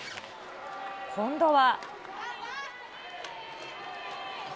今度は。